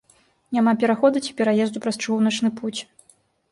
Няма пераходу ці пераезду праз чыгуначны пуць.